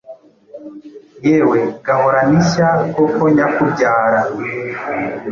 Yewe, gahorane ishya koko nyakubyara